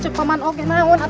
cucuk paman ogena yang mau nafsu